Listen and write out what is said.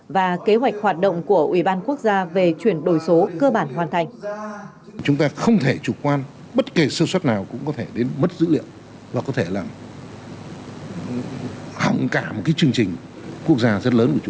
và kế hoạch hoạt động của ủy ban quốc gia về chuyển đổi số cơ bản hoàn thành